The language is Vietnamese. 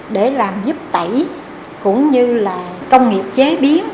để làm giúp tẩy cũng như là công nghiệp chế biến